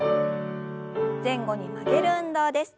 前後に曲げる運動です。